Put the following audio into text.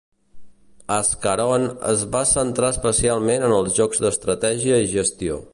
Ascaron es va centrar especialment en els jocs d'estratègia i gestió.